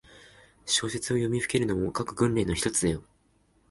小説を読みふけるのも、書く訓練のひとつだよ。